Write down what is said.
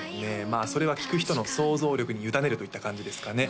まあそれは聴く人の想像力に委ねるといった感じですかね